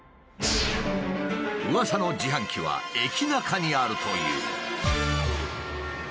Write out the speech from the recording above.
うわさの自販機は駅ナカにあるという。